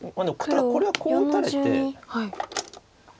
ただこれはこう打たれて。